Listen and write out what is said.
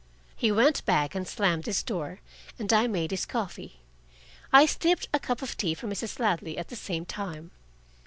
He went back and slammed his door, and I made his coffee. I steeped a cup of tea for Mrs. Ladley at the same time.